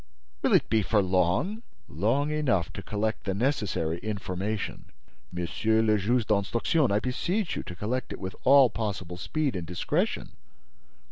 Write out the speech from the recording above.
"Will it be for long?" "Long enough to collect the necessary information." "Monsieur le Juge d'Instruction, I beseech you to collect it with all possible speed and discretion."